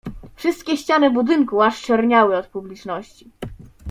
"Wszystkie ściany budynku aż czerniały od publiczności."